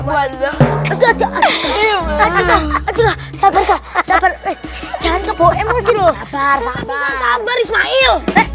buatnya aduh aduh aduh aduh sabar sabar jangan kebohongan sih loh sabar sabar ismail